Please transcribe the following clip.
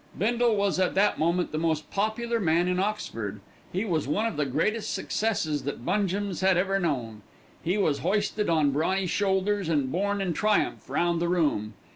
Bindle was at that moment the most popular man in Oxford. He was one of the greatest successes that Bungem's had ever known. He was hoisted on brawny shoulders and borne in triumph round the room.